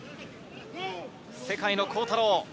世界の幸太朗。